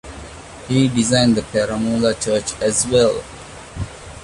He designed the Parumala Church as well.